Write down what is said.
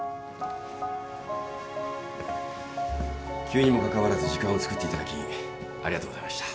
急にもかかわらず時間をつくっていただきありがとうございました。